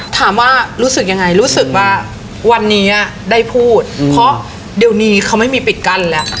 ถามว่ารู้สึกยังไงรู้สึกว่าวันนี้ได้พูดเพราะเดี๋ยวนี้เขาไม่มีปิดกั้นแล้ว